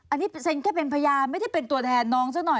อันนี้เซ็นแค่เป็นพยานไม่ได้เป็นตัวแทนน้องซะหน่อย